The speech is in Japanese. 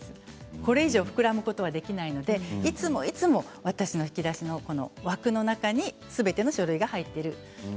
これ以上、膨らむことはできないのでいつもいつも私の引き出しの枠の中にすべての書類が入っている。